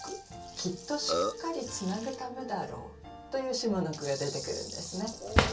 「きっとしっかりつなぐためだろう」という下の句が出てくるんですね。